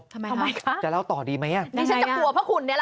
ทำไมครับทำไมครับ